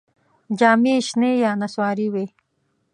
جامې یې شنې یا نسواري وې.